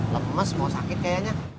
lemes mau sakit kayaknya